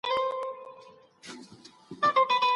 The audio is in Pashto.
ازمایښتي څېړنه په ځانګړو ځایونو کي ترسره کیږي.